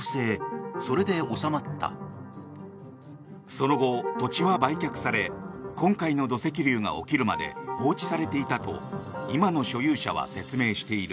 その後、土地は売却され今回の土石流が起きるまで放置されていたと今の所有者は説明している。